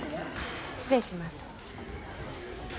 失礼します。